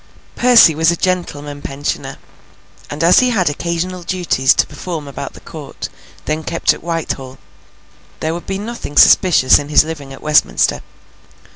Percy was a Gentleman Pensioner, and as he had occasional duties to perform about the Court, then kept at Whitehall, there would be nothing suspicious in his living at Westminster.